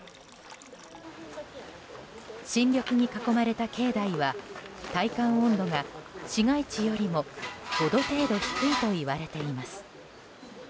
新緑に囲まれた境内は体感温度が市街地よりも５度程度低いといわれています。